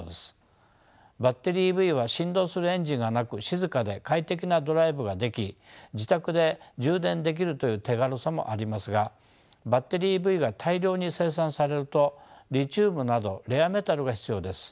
バッテリーＥＶは振動するエンジンがなく静かで快適なドライブができ自宅で充電できるという手軽さもありますがバッテリーＥＶが大量に生産されるとリチウムなどレアメタルが必要です。